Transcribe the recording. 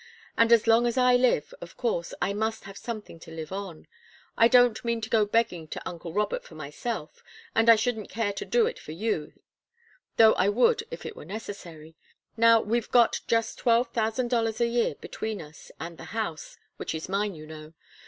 And as long as I live, of course, I must have something to live on. I don't mean to go begging to uncle Robert for myself, and I shouldn't care to do it for you, though I would if it were necessary. Now, we've got just twelve thousand dollars a year between us, and the house, which is mine, you know.